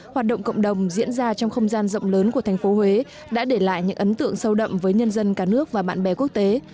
hoạt động cộng đồng diễn ra trong không gian rộng lớn của thành phố huế đã để lại những ấn tượng sâu đậm với nhân dân cả nước và bạn bè quốc tế